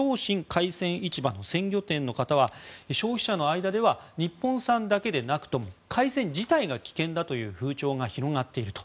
海鮮市場の鮮魚店の方は消費者の間では日本産だけでなくとも海鮮自体が危険だという風潮が広がっていると。